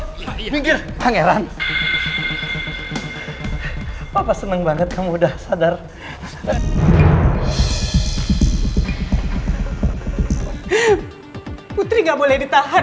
pangeran papa seneng banget kamu udah sadar putri nggak boleh ditahan